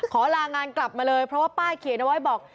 ลางานกลับมาเลยเพราะว่าป้ายเขียนเอาไว้บอก